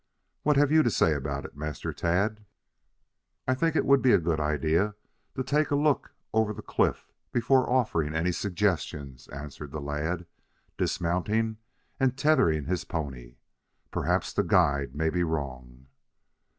What have you to say about it, Master Tad?" "I think it would be a good idea to take a look over the cliff before offering any suggestions," answered the lad, dismounting and tethering his pony. "Perhaps the guide may be wrong."